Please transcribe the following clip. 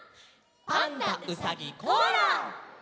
「パンダうさぎコアラ」！